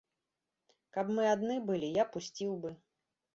Каб мы адны былі, я пусціў бы.